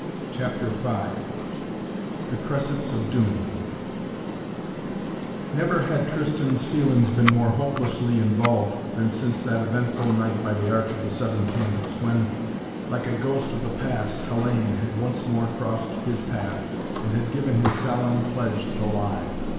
CHAPTER V THE CRESSETS OF DOOM Never had Tristan's feelings been more hopelessly involved than since that eventful night by the Arch of the Seven Candles when, like a ghost of the past, Hellayne had once more crossed his path and had given his solemn pledge the lie.